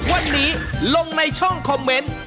วันนี้ลงในช่องคอมเมนต์